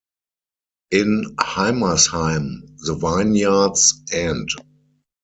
In Heimersheim, the vineyards end.